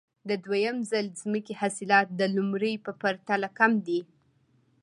د دویم ډول ځمکې حاصلات د لومړۍ په پرتله کم دي